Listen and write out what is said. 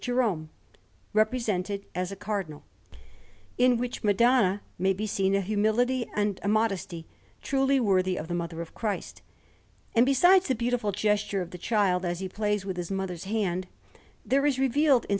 Jerome represented as a Cardinal; in which Madonna may be seen a humility and a modesty truly worthy of the Mother of Christ; and besides the beautiful gesture of the Child as He plays with His Mother's hand, there is revealed in S.